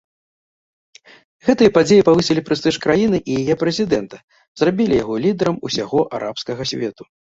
Гэтыя падзеі павысілі прэстыж краіны і яе прэзідэнта, зрабілі яго лідарам усяго арабскага свету.